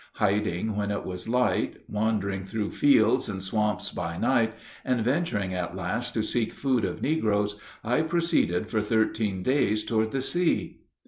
Hiding when it was light, wandering through fields and swamps by night, and venturing at last to seek food of negroes, I proceeded for thirteen days toward the sea.